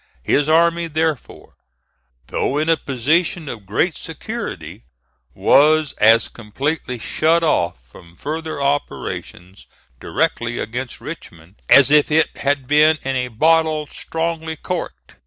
His army, therefore, though in a position of great security, was as completely shut off from further operations directly against Richmond as if it had been in a bottle strongly corked.